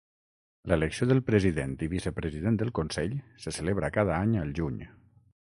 L'elecció del president i vicepresident del Consell se celebra cada any al juny.